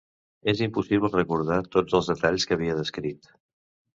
Era impossible recordar tots els detalls que havia descrit.